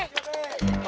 suju semua ya